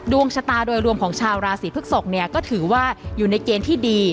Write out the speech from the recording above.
ดวงชะตาโดยรวมของชาวราศีพฤกษกเนี่ยก็ถือว่าอยู่ในเกณฑ์ที่ดี